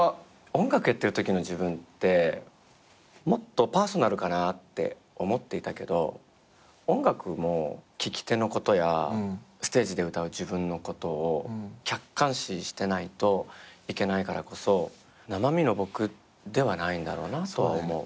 音楽やってるときの自分ってもっとパーソナルかなって思っていたけど音楽も聞き手のことやステージで歌う自分のことを客観視してないといけないからこそ生身の僕ではないんだろうなとは思う。